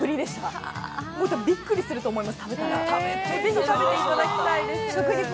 食べたらびっくりすると思います。